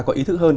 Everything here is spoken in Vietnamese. có ý thức hơn